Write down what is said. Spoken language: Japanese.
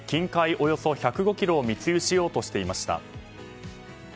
およそ１０５ｋｇを密輸しようとしていました。